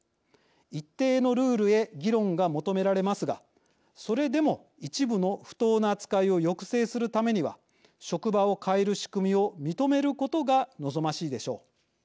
一定のルールへ議論が求められますがそれでも一部の不当な扱いを抑制するためには職場を変える仕組みを認めることが望ましいでしょう。